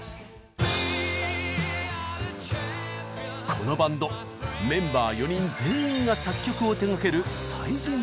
このバンドメンバー４人全員が作曲を手がける才人ぞろい。